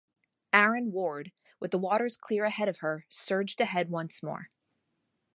"Aaron Ward", with the waters clear ahead of her, surged ahead once more.